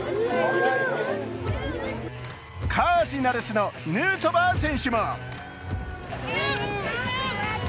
カージナルスのヌートバー選手も。